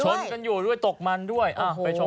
ชนกันอยู่ด้วยตกมันด้วยไปชมภาพเหตุการณ์ครับ